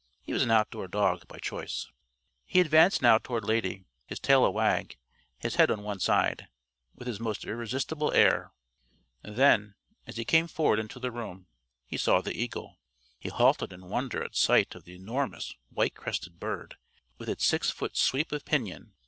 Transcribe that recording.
He was an outdoor dog, by choice. He advanced now toward Lady, his tail a wag, his head on one side, with his most irresistible air. Then, as he came forward into the room, he saw the eagle. He halted in wonder at sight of the enormous white crested bird with its six foot sweep of pinion.